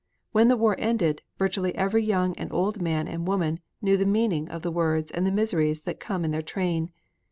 When the war ended, virtually every young and old man and woman knew the meaning of the words and the miseries that come in their train.